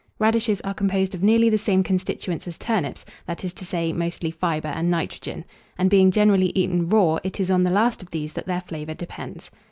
Radishes are composed of nearly the same constituents as turnips, that is to say, mostly fibre and nitrogen; and, being generally eaten raw, it is on the last of these that their flavour depends.